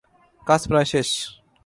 কাজ প্রায় শেষ।